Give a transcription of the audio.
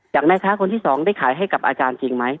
แม่ค้าคนที่สองได้ขายให้กับอาจารย์จริงไหม